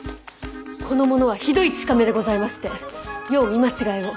この者はひどい近目でございましてよう見間違えを。